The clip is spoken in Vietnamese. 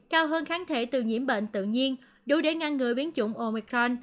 cao hơn kháng thể từ nhiễm bệnh tự nhiên đủ để ngăn ngừa biến chủng omicron